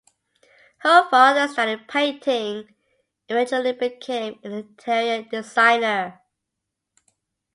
Her father studied painting and eventually became an interior designer.